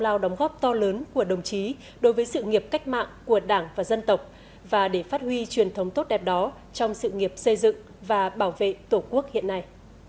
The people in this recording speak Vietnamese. đó là một lý do đóng góp to lớn của đồng chí đối với sự nghiệp cách mạng của đảng và dân tộc và để phát huy truyền thống tốt đẹp đó trong sự nghiệp xây dựng và bảo vệ tổ quốc hiện nay